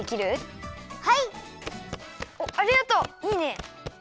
いいね！